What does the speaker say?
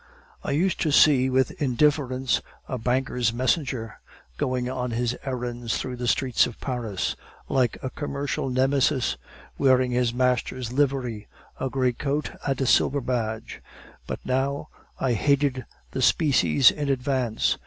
"I used to see with indifference a banker's messenger going on his errands through the streets of Paris, like a commercial Nemesis, wearing his master's livery a gray coat and a silver badge; but now I hated the species in advance.